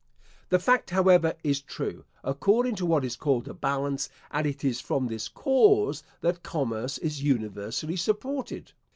The fact, however, is true, according to what is called a balance; and it is from this cause that commerce is universally supported.